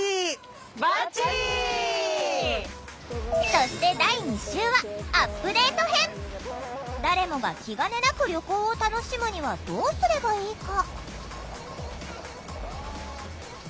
そして誰もが気兼ねなく旅行を楽しむにはどうすればいいか？